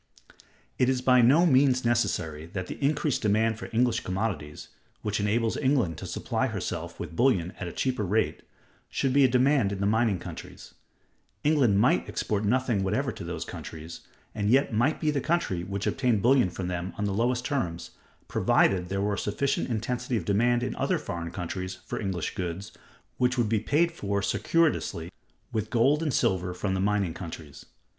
It is by no means necessary that the increased demand for English commodities, which enables England to supply herself with bullion at a cheaper rate, should be a demand in the mining countries. England might export nothing whatever to those countries, and yet might be the country which obtained bullion from them on the lowest terms, provided there were a sufficient intensity of demand in other foreign countries for English goods, which would be paid for circuitously, with gold and silver from the mining countries.